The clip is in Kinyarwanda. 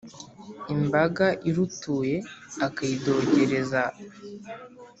Imbaga irutuye akayidogereza .